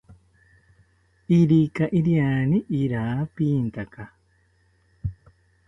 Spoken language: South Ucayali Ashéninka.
Irika iriani rirapintaka